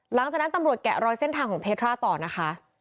หลังจากนั้นตำรวจแกะรอยเส้นทางของเพชรร่าต่อนะคะ